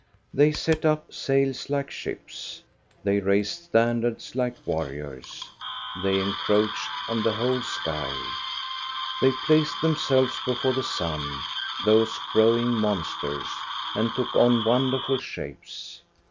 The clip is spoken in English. They set up sails like ships. They raised standards like warriors. They encroached on the whole sky. They placed themselves before the sun, those grow ing monsters, and took on wonderful shapes.